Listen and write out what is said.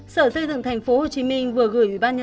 sở xây dựng thành phố hồ chí minh vừa gửi bàn nhạc